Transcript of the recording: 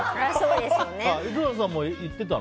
井戸田さんも行ってたの？